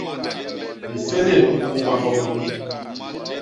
Nsélél ñkuu mahop nunu.